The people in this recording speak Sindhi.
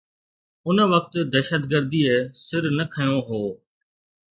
ان وقت دهشتگرديءَ سر نه کنيو هو.